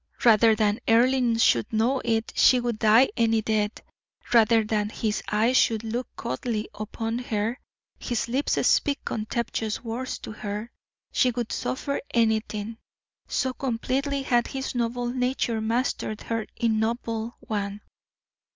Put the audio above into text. Rather than Earle should know it, she would die any death; rather than his eyes should look coldly upon her, his lips speak contemptuous words to her, she would suffer anything, so completely had his noble nature mastered her ignoble one.